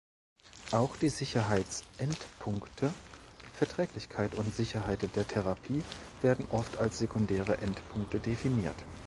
Auch die "Sicherheits-Endpunkte" „Verträglichkeit“ und „Sicherheit der Therapie“ werden oft als sekundäre Endpunkte definiert.